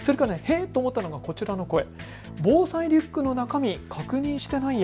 それからへえと思ったのはこちらの声。